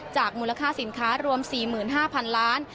มูลค่าสินค้ารวม๔๕๐๐๐ล้าน